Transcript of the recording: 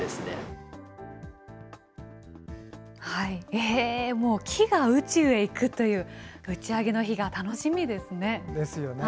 へぇー、もう、木が宇宙に行くという、打ち上げの日が楽しみですね。ですよね。